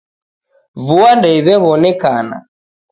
Vua ndeiwewonekana.